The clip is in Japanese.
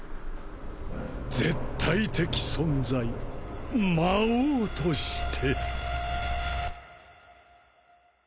絶対的存在魔王として